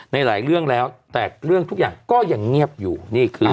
ในหลายเรื่องแล้วแต่เรื่องทุกอย่างก็ยังเงียบอยู่นี่คือ